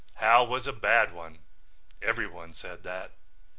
Hal was a bad one. Everyone said that.